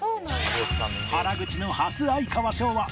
原口の初哀川翔はできる？